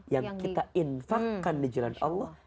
yang kita infakkan di jalan allah